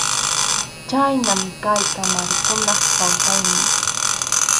Khaynam kay qamarakunap kawsaynin.